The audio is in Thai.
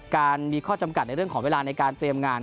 การมีข้อจำกัดในเรื่องของเวลาในการเตรียมงาน